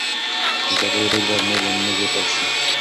د جګړې بوج باید نور له موږ وتل شي.